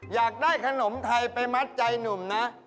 อยากได้ขนมไทยไปมัดใจหนุ่มนะ